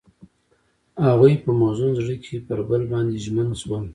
هغوی په موزون زړه کې پر بل باندې ژمن شول.